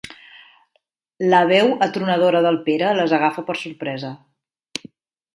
La veu atronadora del Pere les agafa per sorpresa.